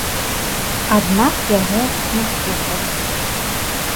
Аднак яго не слухалі.